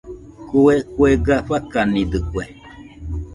Kue kuega fakanidɨkue.